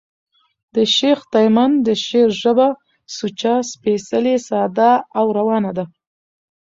د شېخ تیمن د شعر ژبه سوچه، سپېڅلې، ساده او روانه ده.